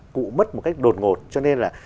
cụ mất một cách đột ngột cho nên là